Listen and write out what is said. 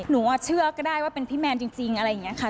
หนูเชื่อก็ได้ว่าเป็นพี่แมนจริงอะไรอย่างนี้ค่ะ